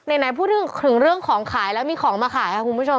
ไหนพูดถึงเรื่องของขายแล้วมีของมาขายค่ะคุณผู้ชม